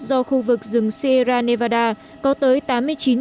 do khu vực rừng sierra nevada có tới tám mươi triệu đồng